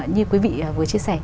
như quý vị vừa chia sẻ